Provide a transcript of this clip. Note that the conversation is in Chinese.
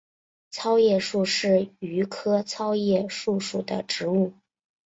糙叶树是榆科糙叶树属的植物。